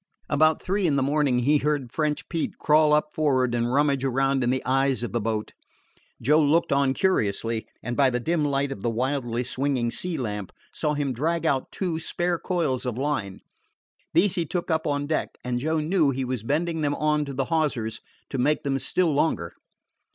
About three in the morning he heard French Pete crawl up for'ard and rummage around in the eyes of the boat. Joe looked on curiously, and by the dim light of the wildly swinging sea lamp saw him drag out two spare coils of line. These he took up on deck, and Joe knew he was bending them on to the hawsers to make them still longer.